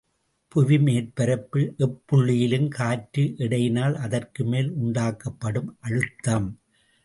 புவிமேற்பரப்பில் எப்புள்ளியிலும் காற்று எடையினால் அதற்கு மேல் உண்டாக்கப்படும் அழுத்தம்.